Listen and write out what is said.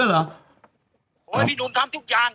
ผู้๐๕๐๐แบบแบบนี้ทำทุกอย่าง